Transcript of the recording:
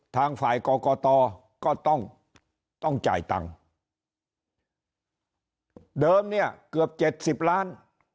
ทางฝ่ายกรกตก็ต้องต้องจ่ายตังค์เดิมเนี่ยเกือบเจ็ดสิบล้าน